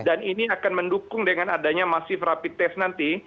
dan ini akan mendukung dengan adanya masif rapid test nanti